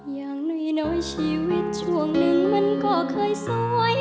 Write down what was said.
อย่างน้อยชีวิตช่วงหนึ่งมันก็เคยสวย